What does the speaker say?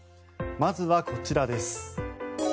まずはこちらです。